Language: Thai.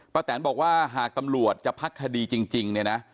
แตนบอกว่าหากตำรวจจะพักคดีจริงเนี่ยนะ